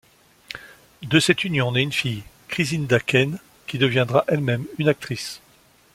De cette union naît une fille, Krisinda Cain, qui deviendra elle-même une actrice.